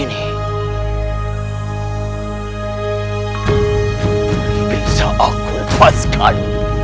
ini bisa aku lepaskan